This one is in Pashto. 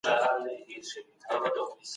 ولې ځیني خلک ډېر قدرت لري؟